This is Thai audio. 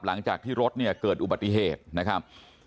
หลังจากที่รถเนี่ยเกิดอุบัติเหตุนะครับ